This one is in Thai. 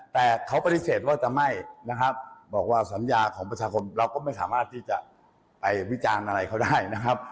แต่เขาปฏิเสธว่าจะไม่นะครับบอกว่าสัญญาของประชาชนเราก็ไม่สามารถที่จะไปวิจารณ์อะไรเขาได้นะครับ